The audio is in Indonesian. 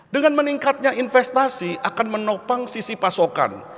dengan meningkatnya investasi akan menopang sisi pasokan